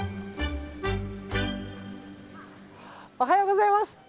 おはようございます。